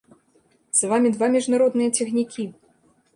За вамі два міжнародныя цягнікі!